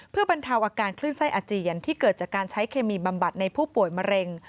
เพื่อบรรเทาอาการคลื่นไส้อาเจียนที่เกิดจากการใช้เคมีบำบัดในผู้ป่วยมะเร็ง